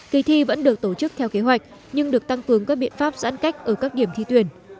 kỳ thi vẫn được tổ chức theo kế hoạch nhưng được tăng cường các biện pháp giãn cách ở các điểm thi tuyển